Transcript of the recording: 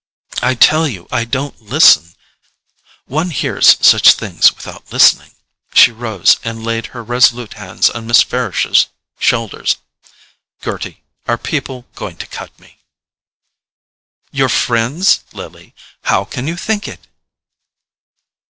"I tell you I don't listen——" "One hears such things without listening." She rose and laid her resolute hands on Miss Farish's shoulders. "Gerty, are people going to cut me?" "Your FRIENDS, Lily—how can you think it?"